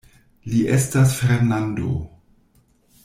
Li estas Fernando!